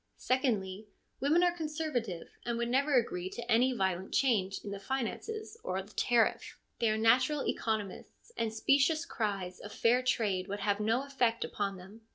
Secondly, women are conserva tive, and would never agree to any violent change in the finances or the tariff ; they are natural economists, and specious cries of fair trade would have no effect upon them.